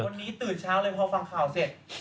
วันนี้ตื่นเช้าเลยพอฟังข่าวเสร็จ